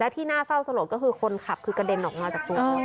ที่น่าเศร้าสลดก็คือคนขับคือกระเด็นออกมาจากตัวรถ